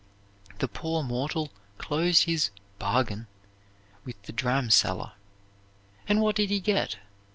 The poor mortal closed his "bargain" with the dramseller, and what did he get?